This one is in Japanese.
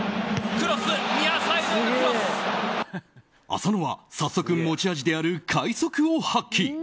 浅野は早速持ち味である快足を発揮。